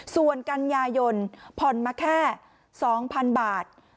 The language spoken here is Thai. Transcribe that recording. ส่วนกันยายนผ่อนมาแค่๒๐๐๐บาท